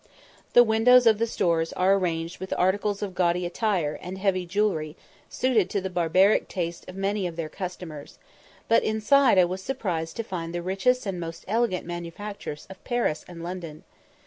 The windows of the stores are arranged with articles of gaudy attire and heavy jewellery, suited to the barbaric taste of many of their customers; but inside I was surprised to find the richest and most elegant manufactures of Paris and London.